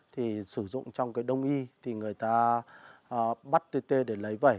thì sử dụng trong cái đông y thì người ta bắt tê tê để lấy vẩy